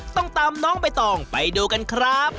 ต้องตามน้องใบตองไปดูกันครับ